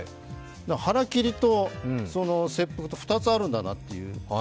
腹切りと切腹と、２つあるんだなと。